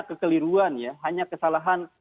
kekeliruan ya hanya kesalahan